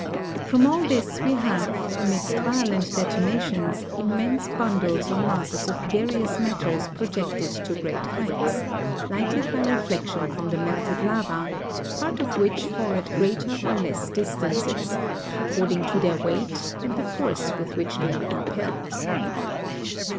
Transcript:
From all this we have, amidst violent detonations, immense bundles or masses of various matters projected to great heights, lighted by reflection from the melted lava, part of which fall at greater or less distances, ac cording to their weight and the force with which they are impelled.